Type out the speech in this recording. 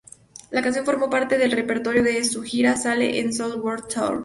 La canción formó parte del repertorio de su gira Sale el Sol World Tour.